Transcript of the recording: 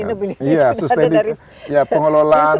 sustainability sudah ada dari pengelolaan